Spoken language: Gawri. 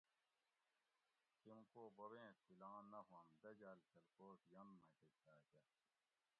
کیم کو بوبیں تھیلاں نہ ھووم دجاۤل کھلکوٹ ینت مکہ کھا کہ